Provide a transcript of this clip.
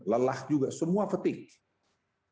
lelah juga semua fatigue